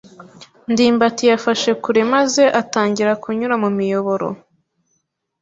ndimbati yafashe kure maze atangira kunyura mu miyoboro.